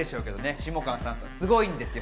下川さん、すごいですよ。